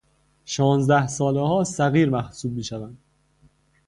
شانزده سالهها صغیر محسوب میشوند.